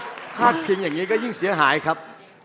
คือถ้าเพียงอย่างนี้ก็ยิ่งเสียหายครับ